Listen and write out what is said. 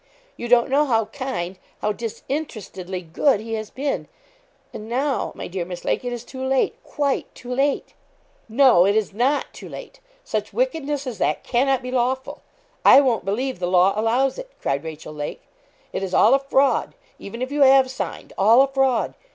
You don't know how kind how disinterestedly good he has been; and now, my dear Miss Lake, it is too late quite too late.' 'No; it is not too late. Such wickedness as that cannot be lawful I won't believe the law allows it,' cried Rachel Lake. 'It is all a fraud even if you have signed all a fraud.